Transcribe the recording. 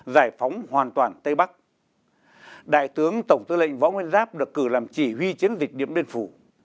giải phóng hoàn toàn tây bắc đại tướng tổng tư lệnh võ nguyên giáp được cử làm chỉ huy chiến dịch điện biên phủ